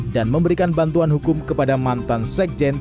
dan memberikan bantuan hukum kepada mantan sekjen